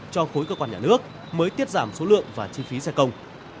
cho khối cơ quan nhà nước mới tiết giảm số lượng và chi phí xe công